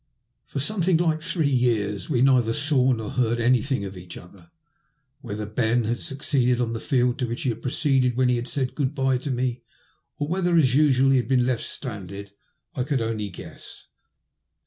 For something like three years we neither saw nor heard anything of each other. Whether Ben had suc ceeded on the fiisld to which he had proceeded when he had said '* good bye " to me, or whether, as usual, he had been left stranded, I could only guess.